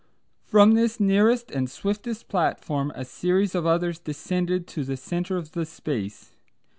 From this nearest and swiftest platform a series of others descended to the centre of the space.